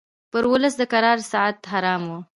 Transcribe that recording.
پر اولس د کرارۍ ساعت حرام وو